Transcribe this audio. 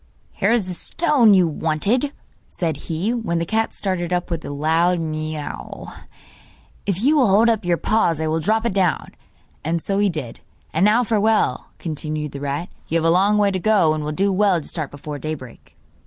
'Here is the stone you wanted,' said he, when the cat started up with a loud mew; 'if you will hold up your paws I will drop it down.' And so he did. 'And now farewell,' continued the rat; 'you have a long way to go, and will do well to start before daybreak.